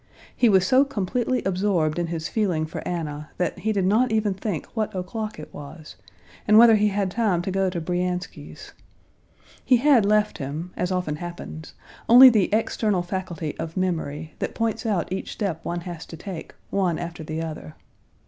He was so completely absorbed in his feeling for Anna, that he did not even think what o'clock it was, and whether he had time to go to Bryansky's. He had left him, as often happens, only the external faculty of memory, that points out each step one has to take, one after the other.